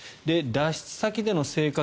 脱出先での生活